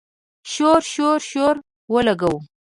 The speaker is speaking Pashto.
شور، شور، شور اولګوو